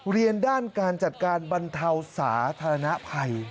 เรียนด้านการจัดการบรรเทาสาธารณภัย